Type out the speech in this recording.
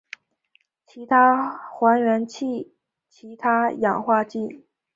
其他还原器其他氧化剂